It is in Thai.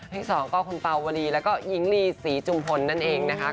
สองก็คุณเป่าวลีแล้วก็หญิงลีศรีจุมพลนั่นเองนะคะ